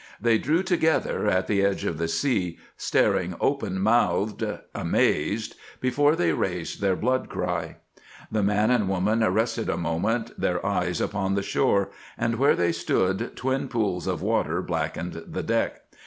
They drew together at the edge of the sea, staring open mouthed, amazed, before they raised their blood cry. The man and woman rested a moment, their eyes upon the shore, and where they stood twin pools of water blackened the deck.